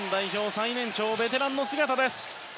最年長ベテランの姿です。